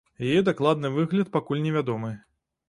Яе дакладны выгляд пакуль невядомы.